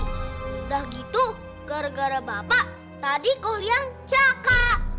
udah gitu gara gara bapak tadi kau yang caka